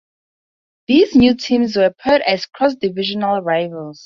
These new teams were paired as cross-divisional rivals.